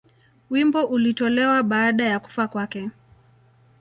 Wimbo ulitolewa baada ya kufa kwake.